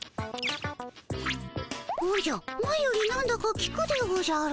おじゃ前よりなんだかきくでおじゃる。